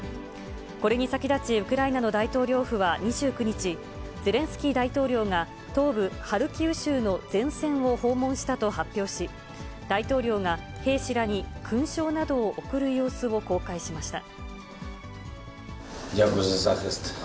これに先立ち、ウクライナの大統領府は２９日、ゼレンスキー大統領が、東部ハルキウ州の前線を訪問したと発表し、大統領が兵士らに勲章などを贈る様子を公開しました。